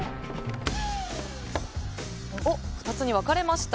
２つに分かれました。